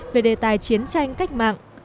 về đề tài chiến tranh cách mạng